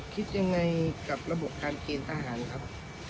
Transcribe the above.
คิดยังไงกับระบบการเกณฑ์ทหารครับ